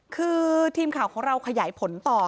คือทีมข่าวของเราขยายผลต่อ